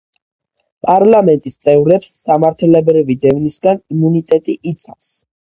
პარლამენტის წევრებს სამართლებრივი დევნისგან იმუნიტეტი იცავს.